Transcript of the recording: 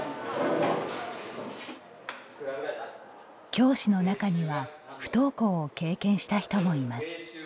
教師の中には不登校を経験した人もいます。